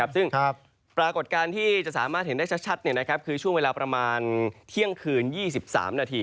ซึ่งปรากฏการณ์ที่จะสามารถเห็นได้ชัดคือช่วงเวลาประมาณเที่ยงคืน๒๓นาที